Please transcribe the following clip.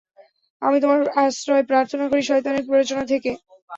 আমি তোমার আশ্রয় প্রার্থনা করি শয়তানের প্ররোচনা থেকে।